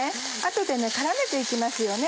後で絡めて行きますよね。